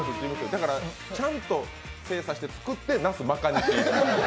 だからちゃんと精査して作って「なすまかにし」に。